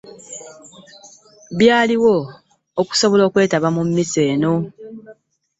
Byaliwo okusobola okwetaba mu mmisa eno.